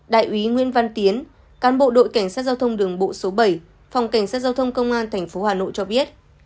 đại úy nguyễn văn tiến cán bộ đội cảnh sát giao thông đường bộ số bảy phòng cảnh sát giao thông công an tp hà nội cho biết